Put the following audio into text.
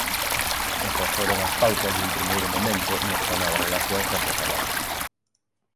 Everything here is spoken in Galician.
Estas foron as pautas dun primeiro momento nesta nova relación socioeconómica.